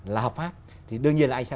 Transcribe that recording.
là hợp pháp thì đương nhiên là anh sẽ